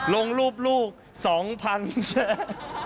ลงรูปลูก๒๐๐๐แชร์